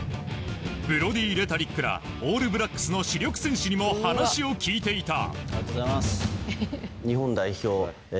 ブロディ・レタリックらオールブラックスの主力選手にも話を聞いていた。